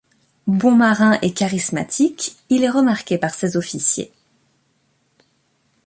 Bon marin et charismatique, il est remarqué par ses officiers.